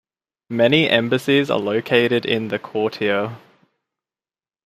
Many embassies are located in the Quartier.